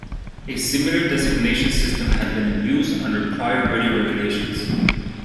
A similar designation system had been in use under prior Radio Regulations.